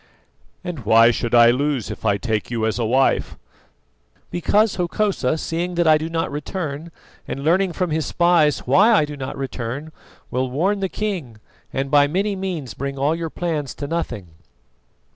"And why should I lose if I take you as a wife?" "Because Hokosa, seeing that I do not return and learning from his spies why I do not return, will warn the king, and by many means bring all your plans to nothing.